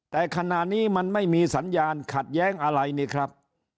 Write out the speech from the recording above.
แต่ขณะนี้มันไม่มีสัญญาณขัดแย้งอะไรนี่ครับ